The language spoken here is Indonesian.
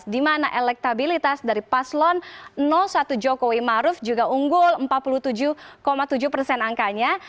di mana elektabilitas dari paslon satu jokowi maruf juga unggul empat puluh tujuh tujuh persen angkanya